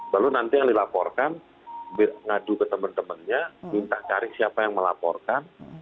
lalu nanti yang dilaporkan ngadu ke temen temennya minta cari siapa yang melaporkan